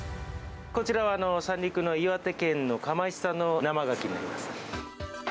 こちらは、三陸の岩手県の釜石産の生ガキになります。